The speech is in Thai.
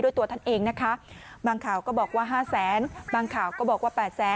ด้วยตัวท่านเองนะคะบางข่าวก็บอกว่า๕๐๐๐๐๐บางข่าก็บอกว่า๘๐๐๐๐๐